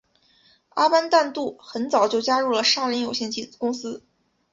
阿班旦杜很早就加入了杀人有限公司。